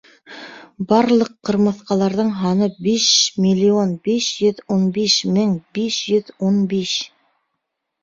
Барлыҡ ҡырмыҫҡаларҙың һаны биш миллион биш йөҙ ун биш мең биш йоҙ ун биш.